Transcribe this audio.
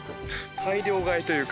大量買いというか。